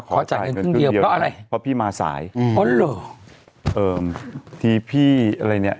ขอจ่ายเงินเพิ่มเพราะอะไรเพราะพี่มาสายเอิ่มที่พี่อะไรเนี้ย